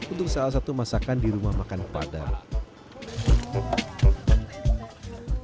untuk salah satu masakan di rumah makan padang